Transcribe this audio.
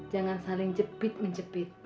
jangan saling jepit jepit